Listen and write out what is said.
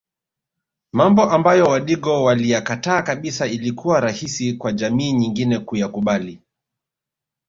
Mambo ambayo wadigo waliyakataa kabisa ilikuwa rahisi kwa jamii nyingine kuyakubali